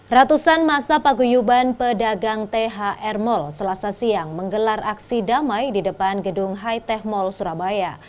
ratusan masa paguyuban pedagang thr mall selasa siang menggelar aksi damai di depan gedung hitech mall surabaya